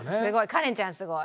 カレンちゃんすごい。